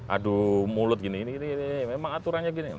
aduh mulut gini ini ini ini memang aturannya gini